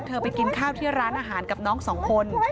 ไปกินข้าวที่ร้านอาหารกับน้องสองคน